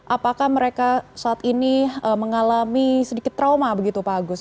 apakah mereka saat ini mengalami sedikit trauma begitu pak agus